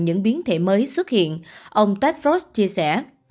các biến thể mới xuất hiện ông tedros chia sẻ